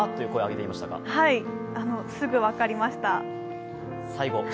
すぐ分かりました。